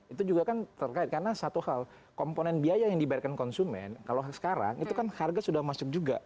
itu juga kan terkait karena satu hal komponen biaya yang dibayarkan konsumen kalau sekarang itu kan harga sudah masuk juga